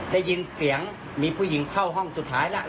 ได้ยินเสียงมีผู้หญิงเข้าห้องสุดท้ายแล้ว